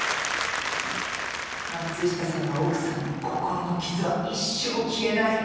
松下さんの奥さんの心の傷は一生消えない。